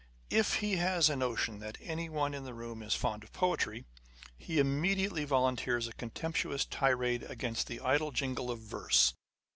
If he has a notion that anyone in the room is fond of poetry, he immediately volunteers a contemptuous tirade against the idle jingle of verse.